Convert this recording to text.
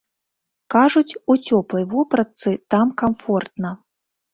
Кажуць, у цёплай вопратцы там камфортна.